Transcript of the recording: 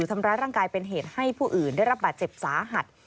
ทำร้ายร่างกายเป็นเหตุให้ผู้อื่นได้รับบาดเจ็บสาหัส